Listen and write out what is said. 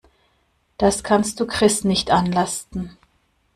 Das kannst du Chris nicht anlasten.